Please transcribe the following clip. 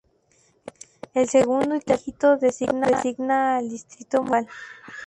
El segundo y tercer dígito designa al distrito municipal.